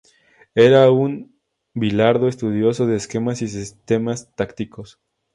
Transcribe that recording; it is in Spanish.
Era un Bilardo: estudioso de esquemas y sistemas tácticos.